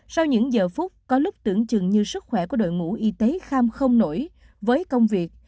sau những giờ phút có lúc tưởng chừng như sức khỏe của đội ngũ y tế kham không nổi với công việc